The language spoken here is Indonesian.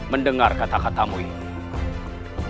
mendengar kata katamu ini